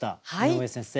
井上先生